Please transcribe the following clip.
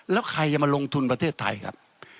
แล้วใครจะมาลงทุนประเทศไทยครับ